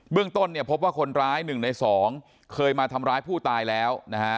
เรื่องต้นเนี่ยพบว่าคนร้าย๑ใน๒เคยมาทำร้ายผู้ตายแล้วนะฮะ